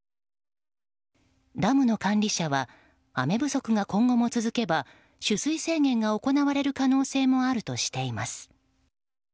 ダムの管理者は雨不足が今後も進めば取水制限が行われる可能性もあるとしています。